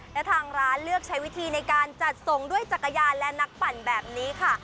และทางร้านเลือกใช้วิธีในการจัดส่งด้วยจักรยานและนักปั่นแบบนี้ค่ะ